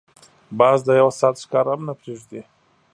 باز د یو ساعت ښکار هم نه پریږدي